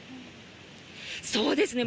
そうですね。